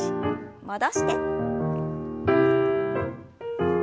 戻して。